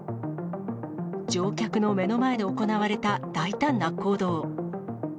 乗客の目の前で行われた大胆な行動。